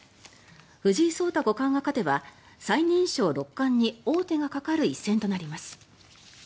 藤井聡太五冠が勝てば最年少六冠に王手がかかる一戦となります。